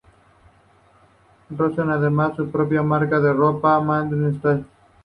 Posee además su propia marca de ropa, Maddie Style.